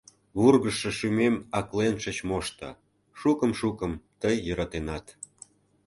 Вургыжшо шӱмем аклен шыч мошто, Шукым-шукым тый йӧратенат.